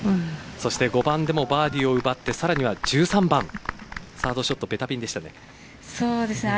そして５番でもバーディーを奪ってさらには１３番サードショットそうですね。